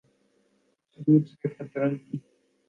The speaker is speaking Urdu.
کچے دودھ سے خطرن